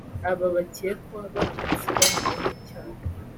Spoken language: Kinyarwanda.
Aba bakekwa baramutse bahamwe n’icyaha